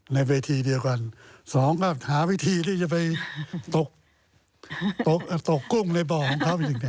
ในเวทีเดียวกันสองก็หาวิธีที่จะไปตกตกกุ้งในบ่อของเขาอย่างนี้